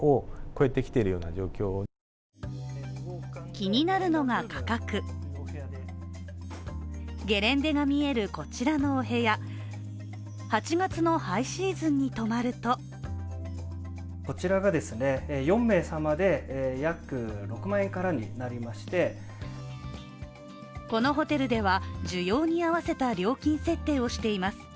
気になるのが価格、ゲレンデが見えるこちらのお部屋、８月のハイシーズンに泊まるとこのホテルでは需要に合わせた料金設定をしています。